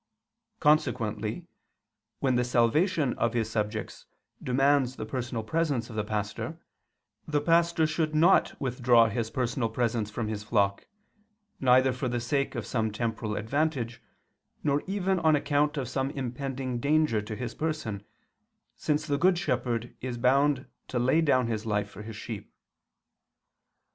Consequently when the salvation of his subjects demands the personal presence of the pastor, the pastor should not withdraw his personal presence from his flock, neither for the sake of some temporal advantage, nor even on account of some impending danger to his person, since the good shepherd is bound to lay down his life for his sheep.